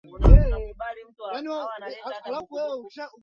tisa hamsini na nane alikuwa miongoni mwa waanzishaji wa Chama cha Taifa la Kongo